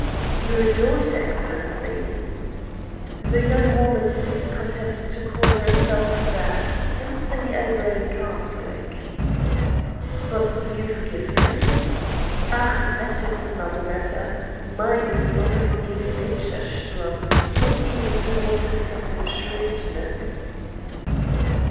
"Your daughter, Excellency!" "The young woman seems content to call herself that.... Can't say I blame Karslake." "But do you forgive him?" "Ah, that is another matter. Mine is not a forgiving nature, Sturm—not even toward excessive shrewdness."